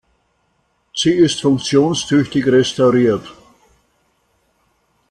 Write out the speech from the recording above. Sie ist funktionstüchtig restauriert.